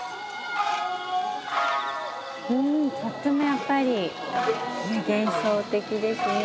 とってもやっぱり幻想的ですね。